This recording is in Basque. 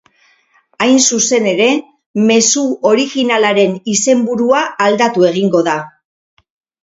Hain zuzen ere, mezu originalaren izenburua aldatu egingo da.